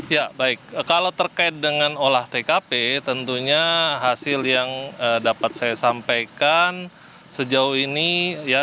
ya baik kalau terkait dengan olah tkp tentunya hasil yang dapat saya sampaikan sejauh ini ya